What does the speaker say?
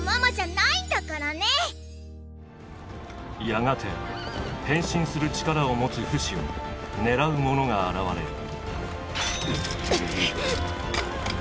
やがて変身する力を持つフシを狙う者が現れる。